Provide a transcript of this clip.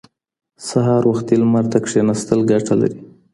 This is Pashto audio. سهار وختي لمر ته کیناستل ګټه لري.